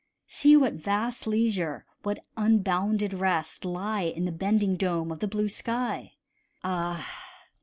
See what vast leisure, what unbounded rest, Lie in the bending dome of the blue sky: Ah!